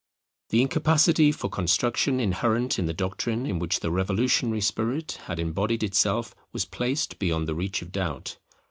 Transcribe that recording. The incapacity for construction inherent in the doctrine in which the revolutionary spirit had embodied itself was placed beyond the reach of doubt.